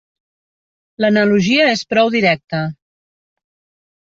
L'analogia és prou directa.